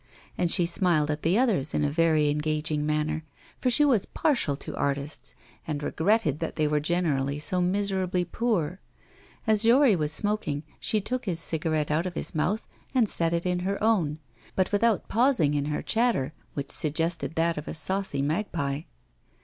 And she smiled at the others in a very engaging manner, for she was partial to artists, and regretted that they were generally so miserably poor. As Jory was smoking, she took his cigarette out of his mouth and set it in her own, but without pausing in her chatter, which suggested that of a saucy magpie.